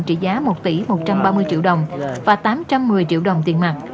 trị giá một tỷ một trăm ba mươi triệu đồng và tám trăm một mươi triệu đồng tiền mặt